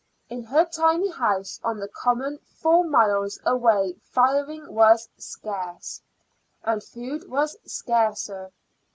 In her tiny house on the common four miles away firing was scarce, and food was scarcer.